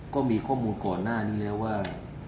ก็มีข้อมูลก่อนหน้านี้แล้วว่า